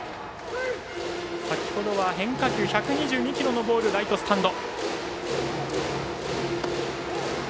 先ほどは変化球１２２キロのボールをライトスタンド。